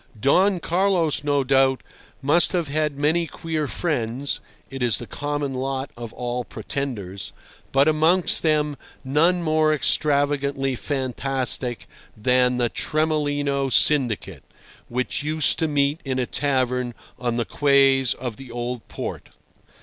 Don Carlos, no doubt, must have had many queer friends (it is the common lot of all Pretenders), but amongst them none more extravagantly fantastic than the Tremolino Syndicate, which used to meet in a tavern on the quays of the old port.